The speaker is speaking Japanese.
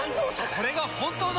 これが本当の。